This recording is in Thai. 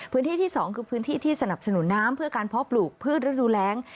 พื้นที่ที่๒คือพื้นที่ที่สนับสนุนน้ำเพื่อการเพาะปลูกพืชฤดูแรง